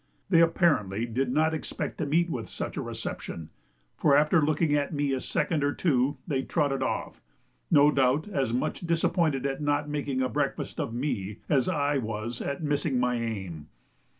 They apparently did not expect to meet with such a reception, for after looking at me a second or two they trotted off, no doubt as much disappointed at not making a breakfast of me as I was at missing my aim.